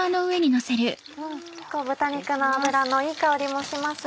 豚肉の脂のいい香りもします。